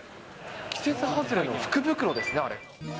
季節外れの福袋ですね、あれ。